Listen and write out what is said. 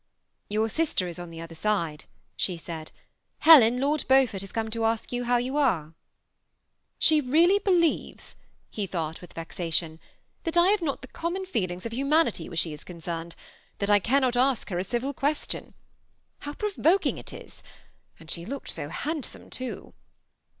" Your sister is on the other side," she said. " Helen, Lord Beaufort has come to ask how you are." " She really believes,'' he thought with vexation, *^thai I have not the common feelings of humanity where she is concerned ; that I cannot ask her a civil question. How provoking it is, — and she looked so handsome too